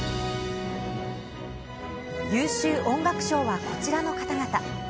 優秀音楽賞はこちらの方々。